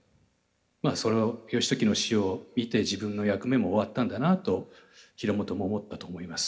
まあそれを義時の死を見て自分の役目も終わったんだなと広元も思ったと思います。